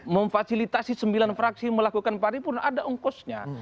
memfasilitasi sembilan fraksi melakukan pari pun ada ongkosnya